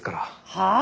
はあ！？